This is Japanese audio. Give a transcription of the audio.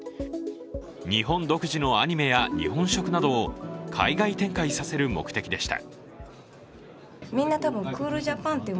日本独自のアニメや日本食などを海外展開させる目的でした。